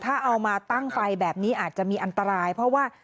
ถ้าเอามาตั้งไฟแบบนี้อาจจะมีอันตรายเพราะว่า